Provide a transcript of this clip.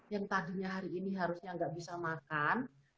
yang tadinya hari ini harusnya nggak bisa makan